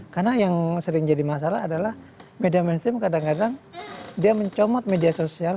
karena yang sering jadi masalah adalah media mainstream kadang kadang dia mencomot media sosial